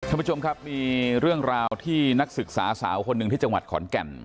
ท่านผู้ชมครับมีเรื่องราวที่นักศึกษาสาวคนหนึ่งที่จังหวัดขอนแก่น